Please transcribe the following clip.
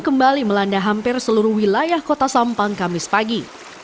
kembali melanda hampir seluruh wilayah kota sampang kamis pagi